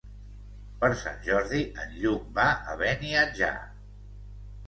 Per Sant Jordi en Lluc va a Beniatjar.